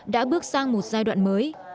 đã bước sang một giai đoạn mới